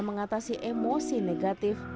mengatasi emosi negatif